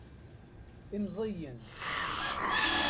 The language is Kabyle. Imẓiyen.